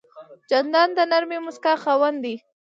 جانداد د نرمې موسکا خاوند دی.